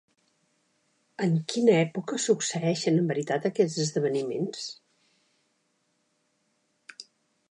En quina època succeeixen en veritat aquests esdeveniments?